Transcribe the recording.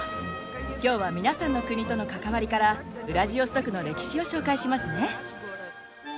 きょうは皆さんの国との関わりからウラジオストクの歴史を紹介しますね。